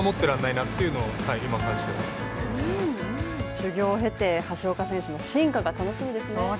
修行を経て橋岡選手の進化が楽しみですよね。